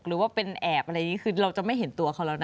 หรือว่าเป็นแอบอะไรอย่างนี้คือเราจะไม่เห็นตัวเขาแล้วนะ